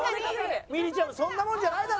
みりちゃむそんなもんじゃないだろ。